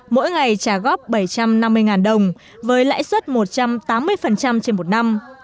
mỗi ngày trả góp bảy trăm năm mươi đồng với lãi suất một trăm tám mươi trên một năm